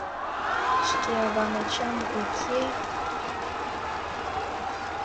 Шке авам-ачам уке...